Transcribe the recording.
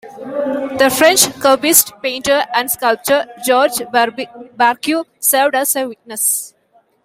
The French Cubist painter and sculptor, Georges Braque, served as a witness.